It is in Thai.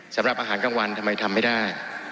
สำหรับอาหารกลางวันทำไมทำไม่ได้